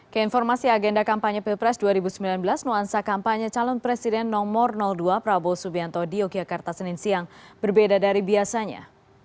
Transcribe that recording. keinformasi agenda kampanye pilpres dua ribu sembilan belas nuansa kampanye calon presiden nomor dua prabowo subianto di yogyakarta senin siang berbeda dari biasanya